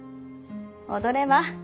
踊れば。